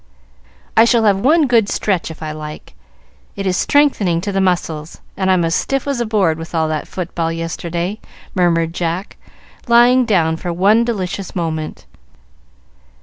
"I shall have one good stretch, if I like. It is strengthening to the muscles, and I'm as stiff as a board with all that football yesterday," murmured Jack, lying down for one delicious moment.